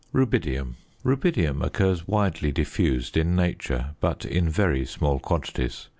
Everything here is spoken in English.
RUBIDIUM. Rubidium occurs widely diffused in nature, but in very small quantities.